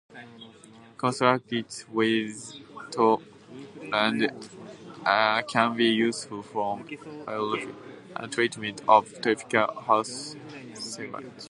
Constructed wetlands can be useful for biofiltration and treatment of typical household sewage.